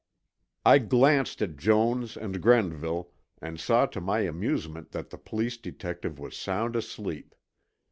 I glanced at Jones and Grenville and saw to my amusement that the police detective was sound asleep.